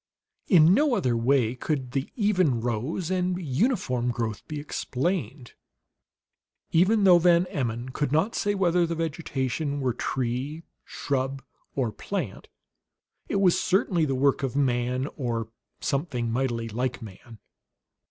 In no other way could the even rows and uniform growth be explained; even though Van Emmon could not say whether the vegetation were tree, shrub, or plant, it was certainly the work of man or some thing mightily like man.